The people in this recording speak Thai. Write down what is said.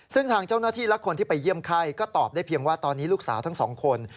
ซึ่งทางเจ้าหน้าที่และคนที่ไปเยี่ยมไข้ก็ตอบได้เพียงว่าตอนนี้ลูกสาวทั้งสองคน